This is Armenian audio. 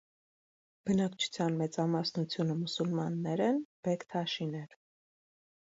Բնակչության մեծամասնությունը մուսուլմաններ են՝ բեկթաշիներ։